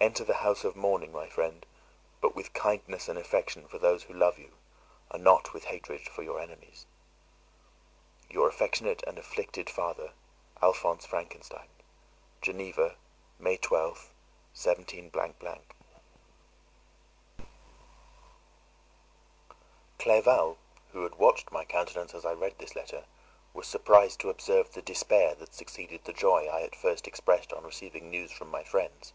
Enter the house of mourning, my friend, but with kindness and affection for those who love you, and not with hatred for your enemies. "Your affectionate and afflicted father, "Alphonse Frankenstein. "Geneva, May 12th, 17—." Clerval, who had watched my countenance as I read this letter, was surprised to observe the despair that succeeded the joy I at first expressed on receiving new from my friends.